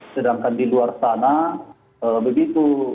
sedangkan di luar sana begitu